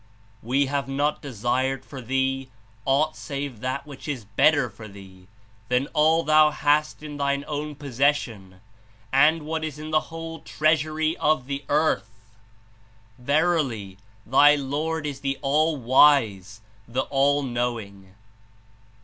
We have not desired for thee aught save that which Is better for thee than all thou hast in thine own pos session and (what is) in the whole treasury of the earth. Verily, thy Lord is the All wise, the All knowing."